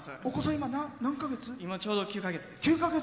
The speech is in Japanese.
今、ちょうど９か月です。